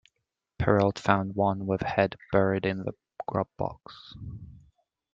Perrault found one with head buried in the grub box.